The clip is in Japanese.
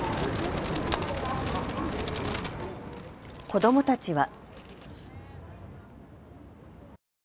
子どもたちは。